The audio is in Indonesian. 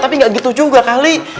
tapi nggak gitu juga kali